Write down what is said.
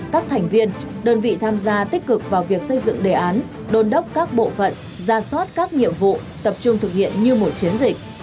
các thành viên đơn vị tham gia tích cực vào việc xây dựng đề án đôn đốc các bộ phận ra soát các nhiệm vụ tập trung thực hiện như một chiến dịch